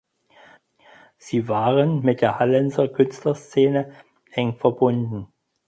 Sie waren mit der Hallenser Künstlerszene eng verbunden.